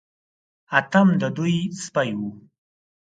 اتم د دوی سپی و.